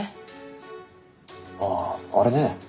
あああれね。